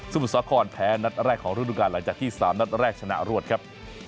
มุทรสาครแพ้นัดแรกของฤดูการหลังจากที่๓นัดแรกชนะรวดครับ